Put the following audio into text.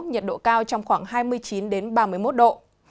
nhiệt độ cao trong khoảng hai mươi chín ba mươi một độ